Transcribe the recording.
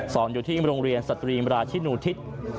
อยู่ที่โรงเรียนสตรีมราชินูทิศ